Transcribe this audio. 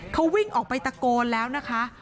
เขาวิ่งออกไปตะโกนแล้วนะคะ